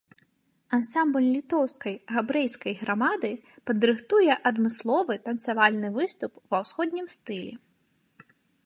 Ансамбль літоўскай габрэйскай грамады падрыхтуе адмысловы танцавальны выступ ва ўсходнім стылі.